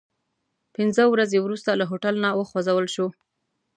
پنځه ورځې وروسته له هوټل نه وخوځول شوو.